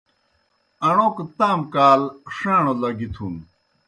اݨوک تام کال ݜاݨوْ لگِتُھپن۔